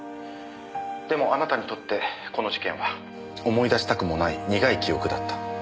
でもあなたにとってこの事件は思い出したくもない苦い記憶だった。